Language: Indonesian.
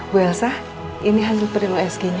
bu elsa ini hasil print usg nya